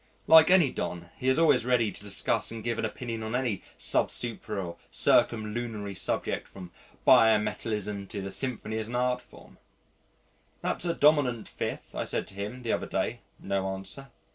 Like any don, he is always ready to discuss and give an opinion on any sub supra or circum lunary subject from bimetallism to the Symphony as an art form. "That's a dominant fifth," I said to him the other day; no answer.